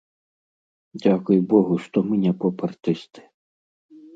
Дзякуй богу, што мы не поп-артысты.